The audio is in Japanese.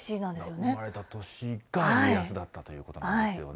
生まれた年が家康だったということなんですよね。